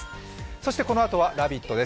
そしてこのあとは「ラヴィット！」です。